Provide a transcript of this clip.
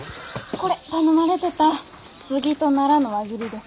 これ頼まれてたスギとナラの輪切りです。